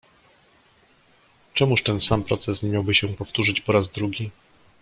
"Czemuż ten sam proces nie miałby się powtórzyć po raz drugi?"